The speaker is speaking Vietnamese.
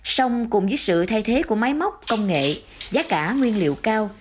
sông cùng với sự thay thế của máy móc công nghệ giá cả nguyên liệu cao